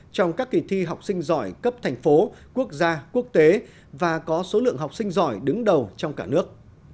trong các kỳ thi học sinh giỏi cấp thành phố quốc gia quốc tế và có số lượng học sinh giỏi đứng đầu trong cả nước